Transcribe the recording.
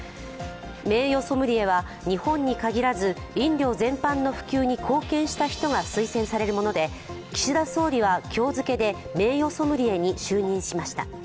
名誉ソムリエは、日本に限らず、飲料全般の普及に貢献した人が推薦されるもので岸田総理は今日付けで名誉ソムリエに就任しました。